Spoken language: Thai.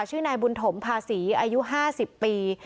ชื่อนายบุญถมภาษีอายุ๕๐ปี